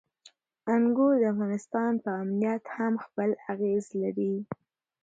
انګور د افغانستان په امنیت هم خپل اغېز لري.